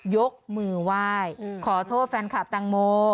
ยกมือไหว้ขอโทษแฟนคลับแตงโม